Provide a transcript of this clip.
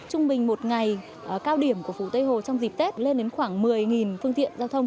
trung bình một ngày cao điểm của phủ tây hồ trong dịp tết lên đến khoảng một mươi phương tiện giao thông